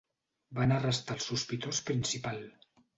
Van arrestar el sospitós principal.